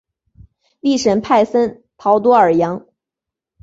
利什派森陶多尔扬。